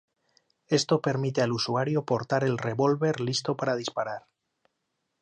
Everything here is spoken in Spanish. Esto permite al usuario portar el revólver listo para disparar.